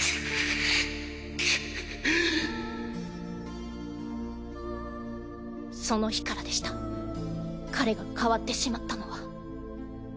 くっその日からでした彼が変わってしまったのは。